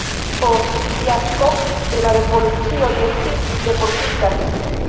Post fiasko de la revolucio li estis deportita.